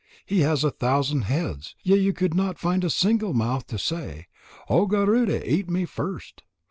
He has a thousand heads, yet could not find a single mouth to say: O Garuda, eat me first.'